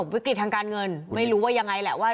วิกฤตทางการเงินไม่รู้ว่ายังไงแหละว่า